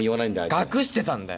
隠してたんだよ